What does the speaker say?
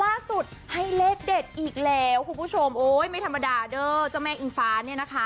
ล่าสุดให้เลขเด็ดอีกแล้วคุณผู้ชมโอ้ยไม่ธรรมดาเด้อเจ้าแม่อิงฟ้าเนี่ยนะคะ